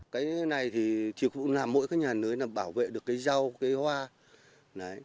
cái này thì chỉ phụ làm mỗi cái nhà nưới là bảo vệ được cái rau cái hoa